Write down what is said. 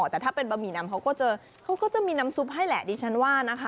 แต่ถ้าเป็นบะหมี่นำเขาก็เจอเขาก็จะมีน้ำซุปให้แหละดิฉันว่านะคะ